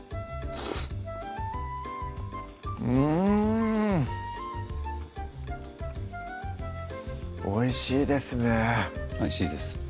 うんおいしいですねおいしいです